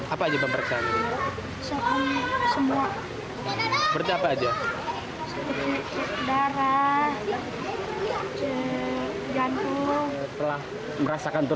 apa saja pemeriksaan